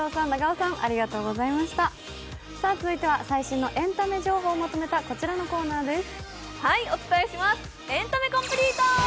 続いては、最新のエンタメ情報をまとめた、こちらのコーナーです。